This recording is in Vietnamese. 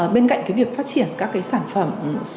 bên cạnh việc phát triển các sản phẩm